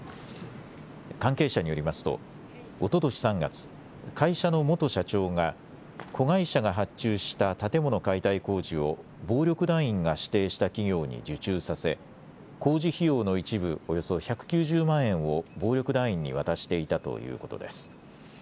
関係者によりますとおととし３月、会社の元社長が子会社が発注した建物解体工事を暴力団員が指定した企業に受注させ、工事費用の一部およそ１９０万円を暴力団員に渡していたということです。